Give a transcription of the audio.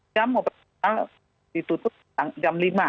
jam operasional ditutup jam lima